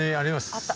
あった。